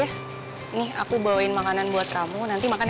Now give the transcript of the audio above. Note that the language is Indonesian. nanti makan aja ya nih aku bawain makanan buat kamu nanti makan ya